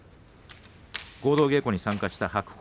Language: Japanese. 合同稽古に参加した白鵬。